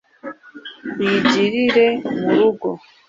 iyigire murugo